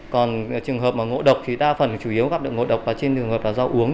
còn trường hợp mà ngộ độc thì đa phần chủ yếu gặp được ngộ độc và trên trường hợp là do uống